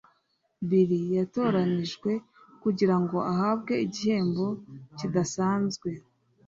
Bill yatoranijwe kugirango ahabwe igihembo kidasanzwe.